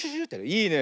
いいね。